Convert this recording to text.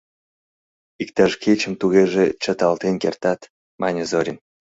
— Иктаж кечым тугеже чыталтен кертат, — мане Зорин.